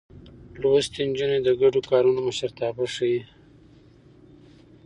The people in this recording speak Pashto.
لوستې نجونې د ګډو کارونو مشرتابه ښيي.